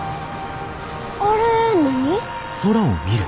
あれ何？